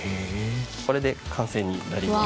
これで完成になります。